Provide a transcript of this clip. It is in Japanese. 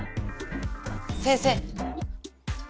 先生！